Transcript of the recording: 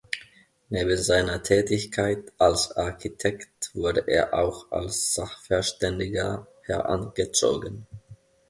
Neben seiner Tätigkeit als Architekt wurde er auch als Sachverständiger herangezogen.